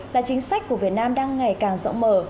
là chính sách của việt nam đang ngày càng rộng mở